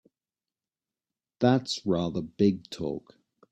That's rather big talk!